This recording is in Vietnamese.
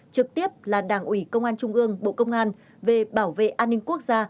trực tiếp là đảng ủy công an trung ương bộ công an về bảo vệ an ninh quốc gia